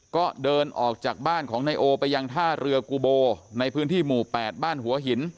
ก็เดินออกจากบ้านของนายโอไปยังท่าเรือกูโบในพื้นที่หมู่๘บ้านหัวหิน